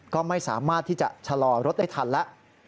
ก็ไม่สามารถที่จะชะลอรถได้ทันแล้ว